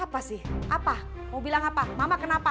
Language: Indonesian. apa sih apa mau bilang apa mama kenapa